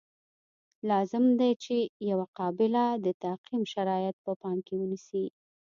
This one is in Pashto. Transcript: لازم دي چې یوه قابله د تعقیم شرایط په پام کې ونیسي.